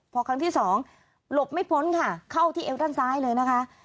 พอครั้งที่สองหลบไม่พ้นค่ะเข้าที่เอวด้านซ้ายเลยนะคะ